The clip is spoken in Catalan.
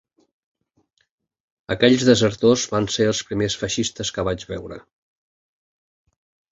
Aquells desertors van ser els primers feixistes que vaig veure.